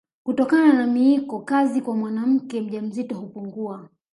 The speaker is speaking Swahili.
Kutokana na miiko kazi kwa mwanamke mjamzito hupungua